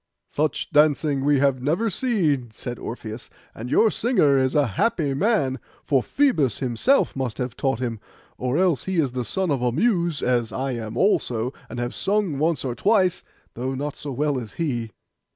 'Such dancing we have never seen,' said Orpheus; 'and your singer is a happy man, for Phoebus himself must have taught him, or else he is the son of a Muse, as I am also, and have sung once or twice, though not so well as he.